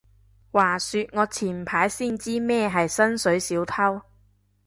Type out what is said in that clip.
話說我前排先知咩係薪水小偷